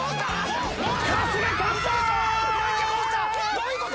どういう事！？